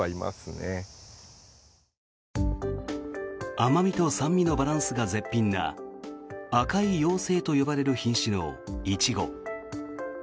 甘味と酸味のバランスが絶品な赤い妖精と呼ばれる品種のイチゴ。